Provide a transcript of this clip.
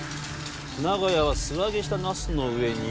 長屋は素揚げしたナスの上に。